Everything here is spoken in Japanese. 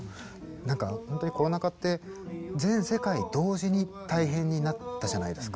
何かほんとにコロナ禍って全世界同時に大変になったじゃないですか。